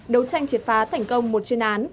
đấu tranh triệt phá thành công một chuyên án